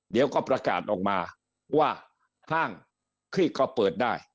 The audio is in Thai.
เดี๋ยวก็ประกาศออกมาว่าห้างที่เขาเปิดได้